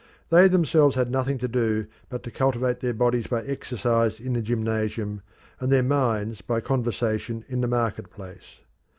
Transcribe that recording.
They themselves had nothing to do but to cultivate their bodies by exercise in the gymnasium, and their minds by conversation in the market place.